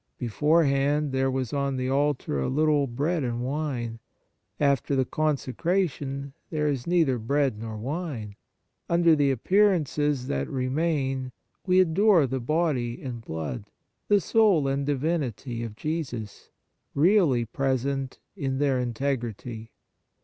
Beforehand, there was on the altar a little bread and wine ; after the con secration, there is neither bread nor wine ; under the appearances that remain, we adore the Body and Blood, the Soul and Divinity of Jesus, really present in their integrity.